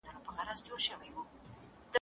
ثمر ګل د خپلو لګښتونو حساب په ډېر دقت سره کاوه.